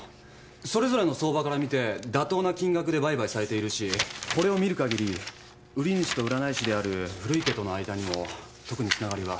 それぞれの相場から見て妥当な金額で売買されているしこれを見るかぎり売主と占い師である古池との間にも特につながりは。